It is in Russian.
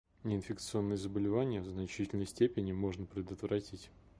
Неинфекционные заболевания в значительной степени можно предотвратить.